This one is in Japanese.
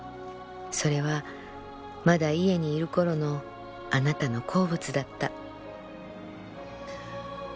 それはまだ家にいる頃のあなたの好物だった」。